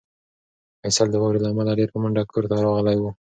فیصل د واورې له امله ډېر په منډه کور ته راغلی و.